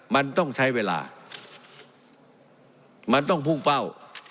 มันต้องใช้เวลามันต้องพุ่งเป้า